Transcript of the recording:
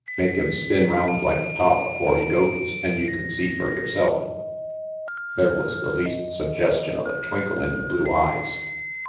Make him spin round like a top afore he goes, an' you can see fer yourself." There was the least suggestion of a twinkle in the blue eyes.